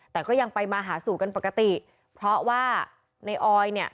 แต่ก็ยังไปมาหาสู่กันปกติเพราะว่าในออยเนี่ย